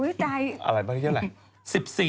อุ้ยจ๊ายเอาที่อะไร